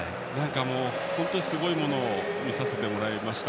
本当にすごいものを見させてもらいました。